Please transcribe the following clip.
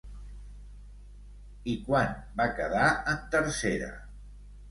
I quan va quedar en tercera?